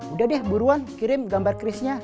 udah deh buruan kirim gambar krisnya